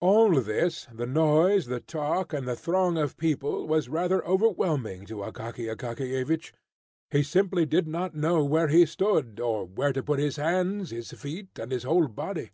All this, the noise, the talk, and the throng of people, was rather overwhelming to Akaky Akakiyevich. He simply did not know where he stood, or where to put his hands, his feet, and his whole body.